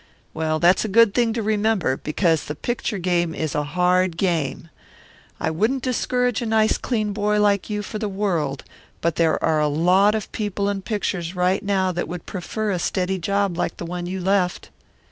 Well, that's a good thing to remember, because the picture game is a hard game. I wouldn't discourage a nice clean boy like you for the world, but there are a lot of people in pictures right now that would prefer a steady job like that one you left."